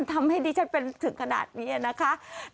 ทำให้ดิฉันเป็นถึงขนาดนี้นะคะ